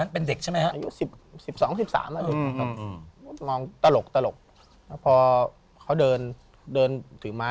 เป็นอะไรนะ